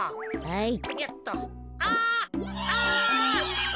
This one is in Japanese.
はい。